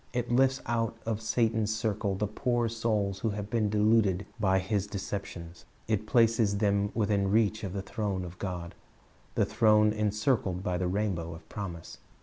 It lifts out of Satan's circle the poor souls who have been deluded by his deceptions. It places them within reach of the throne of God, the throne encircled by the rainbow of promise.